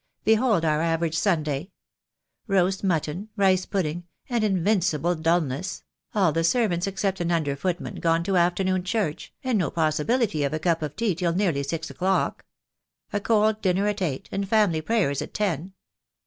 Behold our average Sunday! Roast mutton — rice pudding — and invincible dulness; all the servants except an under footman gone to afternoon church, and no possibility of a cup of tea till nearly six o'clock. A cold dinner at eight, and family prayers at ten."